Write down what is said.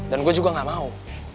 dan gua juga nggak mau